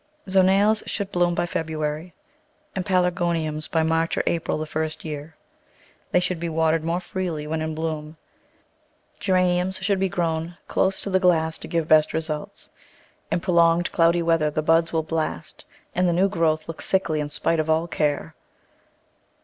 Zonales should bloom by February and Pelargoni ums by March or April the first year. They should be watered more freely when in bloom. Geraniums should be grown close to the glass to give best results. In prolonged cloudy weather the buds will blast and the new growth look sickly in spite of all care.